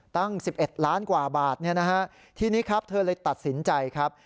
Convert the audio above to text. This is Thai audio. ตั้ง๑๑ล้านกว่าบาทเนี่ยนะฮะทีนี้ครับเธอเลยตัดสินใจครับ